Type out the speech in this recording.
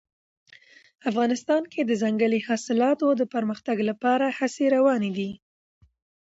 افغانستان کې د ځنګلي حاصلاتو د پرمختګ لپاره هڅې روانې دي.